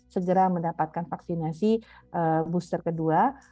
segera mendapatkan vaksinasi booster kedua